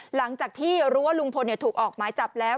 หลังจากที่รู้ว่าลุงพลถูกออกหมายจับแล้ว